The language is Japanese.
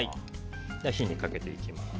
火にかけていきます。